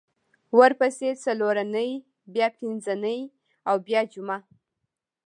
ورپسې څلورنۍ بیا پینځنۍ او بیا جمعه